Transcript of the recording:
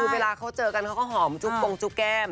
คือเวลาเขาเจอกันเขาก็หอมจุกกงจุกแก้ม